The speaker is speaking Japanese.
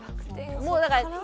もうだからそう。